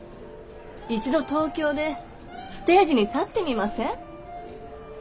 一度東京でステージに立ってみません？